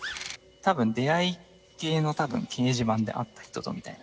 たぶん出会い系の掲示板で会った人とみたいな。